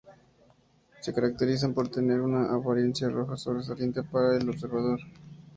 Se caracterizan por tener una apariencia roja sobresaliente para el observador.